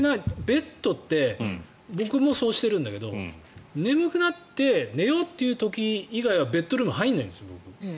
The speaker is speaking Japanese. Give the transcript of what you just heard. ベッドって僕もそうしてるんだけど眠くなって寝ようという時以外はベッドルームに入らないんです僕。